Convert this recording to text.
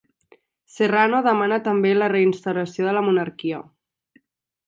Serrano demana també la reinstauració de la monarquia.